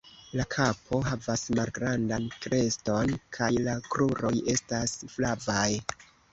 La kapo havas malgrandan kreston, kaj la kruroj estas flavaj.